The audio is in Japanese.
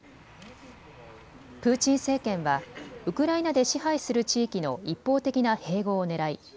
プーチン政権はウクライナで支配する地域の一方的な併合をねらい